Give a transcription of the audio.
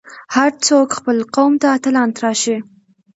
هر څوک خپل قوم ته اتلان تراشي.